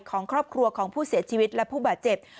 ของครอบครัวของผู้เสียชีวิตและผู้บาดเจ็บ